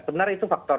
sebenarnya itu faktor